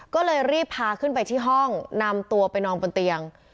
ก็เลยรีบพาขึ้นไปที่ห้องนำตัวไปนอนบนเตียง